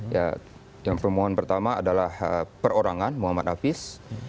ya yang permohon pertama adalah perorangan muhammad hafiz